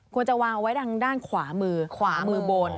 ควรจะวางไว้ทางด้านขวามือขวามือบน